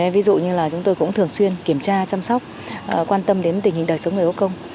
ví dụ như là chúng tôi cũng thường xuyên kiểm tra chăm sóc quan tâm đến tình hình đời sống người có công